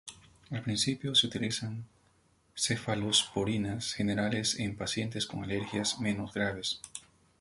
Al principio, se utilizan cefalosporinas generales en pacientes con alergias menos graves.